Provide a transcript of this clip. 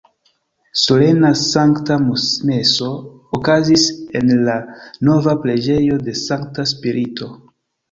Solena Sankta Meso okazis en la nova preĝejo de Sankta Spirito.